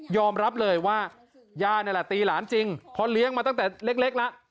ยอมรับเลยว่าย่าเนี่ยตีหลานจริงเพราะเลี้ยงมันตั้งแต่เล็กละ